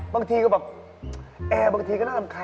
บางทีก็บอกแอร์บางทีก็น่ารำคาญ